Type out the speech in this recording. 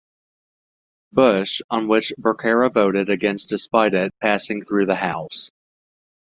Bush, on which Becerra voted against despite it passing through the House.